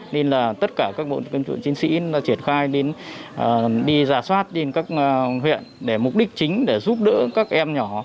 các cán bộ chiến sĩ triển khai đến đi giả soát đến các huyện để mục đích chính để giúp đỡ các em nhỏ